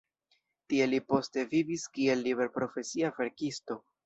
Tie li poste vivis kiel liberprofesia verkisto.